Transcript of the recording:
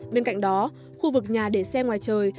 bên cạnh đó khu vực nhà để xe ngoài trời